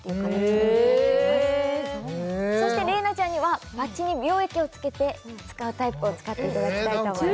へえすごいそして麗菜ちゃんにはパッチに美容液をつけて使うタイプを使っていただきたいと思います